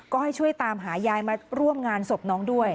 ก็ให้ช่วยตามหายายมาร่วมงานศพน้องด้วย